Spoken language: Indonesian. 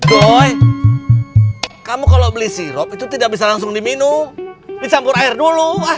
boy kamu kalau beli sirup itu tidak bisa langsung diminum dicampur air dulu